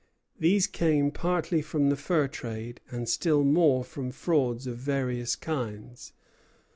These came partly from the fur trade, and still more from frauds of various kinds.